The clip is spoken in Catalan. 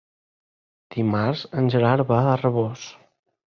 Dimarts en Gerard va a Rabós.